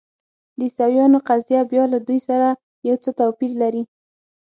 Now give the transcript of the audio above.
د عیسویانو قضیه بیا له دوی سره یو څه توپیر لري.